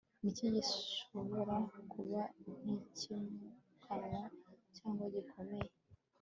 niki gishobora kuba kitimukanwa cyangwa gikomeye